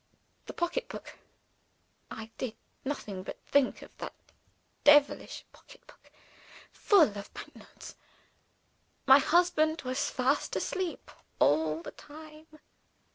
The pocketbook I did nothing but think of that devilish pocketbook, full of bank notes. My husband was fast asleep all the time.